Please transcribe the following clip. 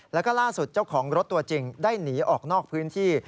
แล้วก็ล่าสุดเจ้าของรถตัวจริงได้หนีออกนอกพื้นที่